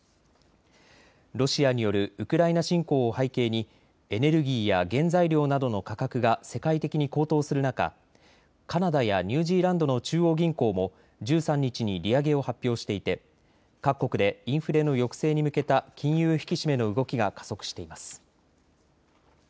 ロシアによるウクライナ侵攻を背景にエネルギーや原材料などの価格が世界的に高騰する中、カナダやニュージーランドの中央銀行も１３日に利上げを発表していて各国でインフレの抑制に向けた金融引き締めの動きが加速しています。